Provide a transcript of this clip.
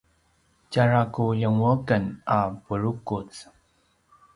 tjara ku ljenguaqen a purukuz